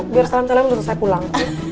biar salam salam langsung saya pulang